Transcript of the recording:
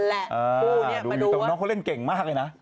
ดูอยู่ตัวน้องเขาเล่นเก่งมากเลยนะ